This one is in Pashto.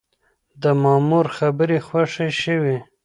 د مامور خبرې خوښې شوې.